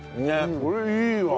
これいいわ。